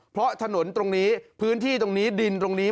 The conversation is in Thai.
เพราะถนนตรงนี้พื้นที่ตรงนี้ดินตรงนี้